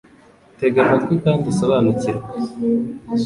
TEGA AMATWI KANDI USOBANUKIRWE